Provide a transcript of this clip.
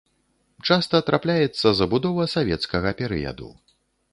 Часта трапляецца забудова савецкага перыяду.